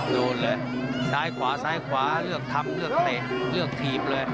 โน่นเลยซ้ายขวาซ้ายขวาเลือกทำเลือกเทียบเลย